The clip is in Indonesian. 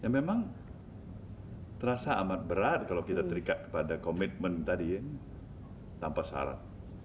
memang terasa amat berat kalau kita terikat pada komitmen tadi tanpa syarat